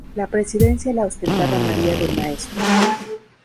La presidencia la ostentaba María de Maeztu.